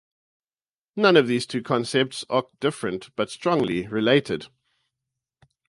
Note that these two concepts are different but strongly related.